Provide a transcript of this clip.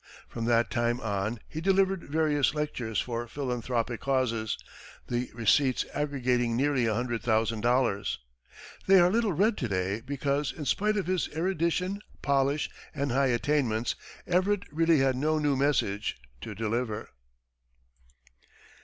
From that time on, he delivered various lectures for philanthropic causes, the receipts aggregating nearly a hundred thousand dollars. They are little read to day because, in spite of his erudition, polish and high attainments, Everett really had no new message to deliver.